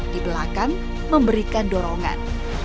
di belakang memberikan dorongan